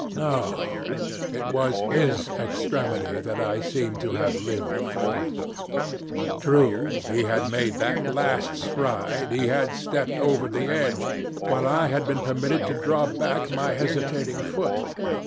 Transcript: No! It is his extremity that I seem to have lived through. True, he had made that last stride, he had stepped over the edge, while I had been permitted to draw back my hesitating foot.